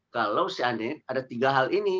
kalau seandainya ada tiga hal ini